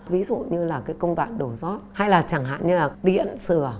ví dụ như là cái công đoạn đổ gió hay là chẳng hạn như là tiện sửa